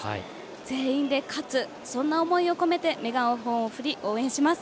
全員で勝つそんな思いを込めてメガホンを振り応援します。